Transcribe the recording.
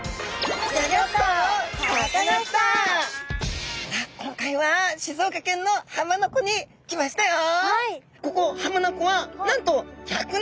さあ今回は静岡県の浜名湖に来ましたよ！